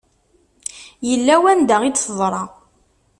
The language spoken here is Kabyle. Yella wanda i d-teḍra.